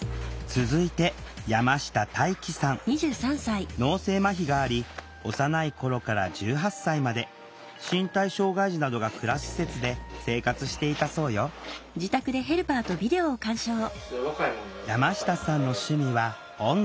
続いて脳性まひがあり幼い頃から１８歳まで身体障害児などが暮らす施設で生活していたそうよ山下さんの趣味は音楽。